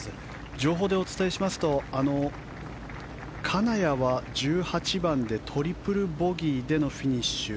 情報でお伝えしますと金谷は１８番でトリプルボギーでのフィニッシュ。